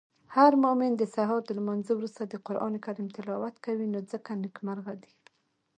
هرمومن د سهار د لمانځه وروسته د قرانکریم تلاوت کوی نو ځکه نیکمرغه دی.